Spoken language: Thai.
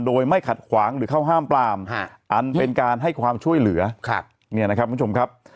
โดยไม่ขัดขวางหรือเข้าห้ามปรามอันเป็นการให้ความช่วยเหลือเนี่ยนะครับคุณผู้ชมครับ